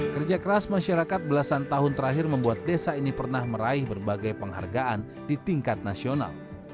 kerja keras masyarakat belasan tahun terakhir membuat desa ini pernah meraih berbagai penghargaan di tingkat nasional